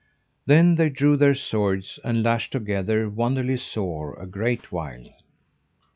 Then they drew their swords and lashed together wonderly sore a great while.